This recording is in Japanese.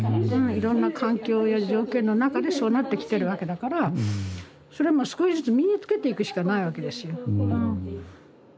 いろんな環境や条件の中でそうなってきてるわけだからそれはもう少しずつ身につけていくしかないわけですよ。